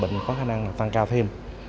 bệnh có khả năng là tăng cao thêm